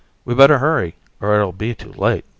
We'd better hurry or it'll be too late.